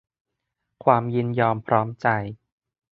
ความยินยอมพร้อมใจ